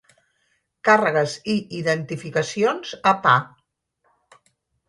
Carregues i identificacions a pa.